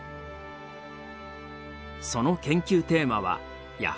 その研究テーマはやはり「宇宙」。